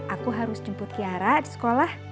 aku harus jemput kiara di sekolah